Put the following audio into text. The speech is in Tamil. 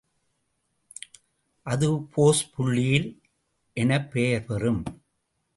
அது போஸ் புள்ளியியல் எனப் பெயர் பெறும்.